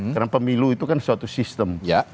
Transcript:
karena pemilu itu kan suatu sistem